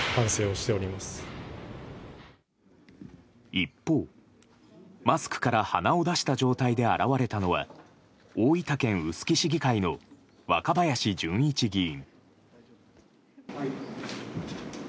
一方マスクから鼻を出した状態で現れたのは、大分県臼杵市議会の若林純一議員。